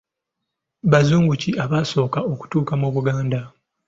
Bazungu ki abaasooka okutuuka mu Buganda?